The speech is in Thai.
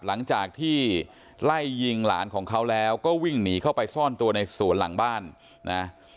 หลังจากที่ไล่ยิงหลานของเขาแล้วก็วิ่งหนีเข้าไปซ่อนตัวในสวนหลังบ้านนะ